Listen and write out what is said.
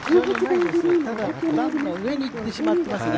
ただ、段の上にいってしまっていますね。